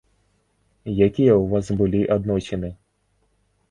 Якія ў вас былі адносіны?